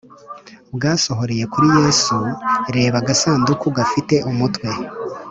bwasohoreye kuri Yesu Reba agasanduku gafite umutwe